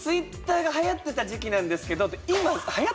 「Ｔｗｉｔｔｅｒが流行ってた時期なんですけど」っていや